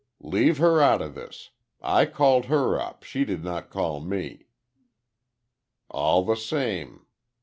"Leave her out of this. I called her up, she did not call me." "All the same.